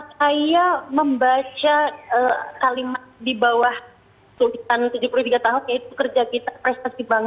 saya membaca kalimat di bawah sulitan tujuh puluh tiga tahun yaitu kerja kita prestasi bangsa